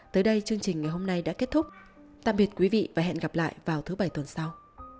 tới đây chương trình ngày hôm nay đã kết thúc tạm biệt quý vị và hẹn gặp lại vào thứ bảy tuần sau